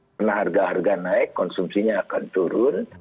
karena harga harga naik konsumsinya akan turun